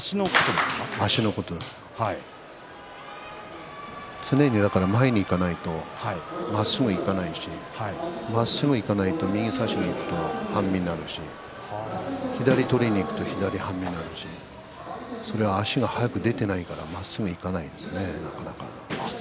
だから常に前にいかないとまっすぐいかないしまっすぐいかないと、右を差しにいくと半身になるし左を取りにいくと左半身になるしそれは足が速く出ていないからまっすぐにいかないんですよねなかなか。